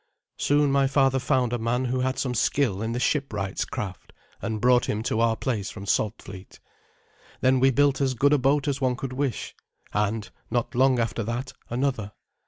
Soon my father found a man who had some skill in the shipwright's craft, and brought him to our place from Saltfleet. Then we built as good a boat as one could wish, and, not long after that, another.